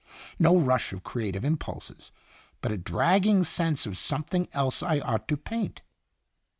No rush of cre ative impulses, but a dragging sense of some thing else I ought to paint."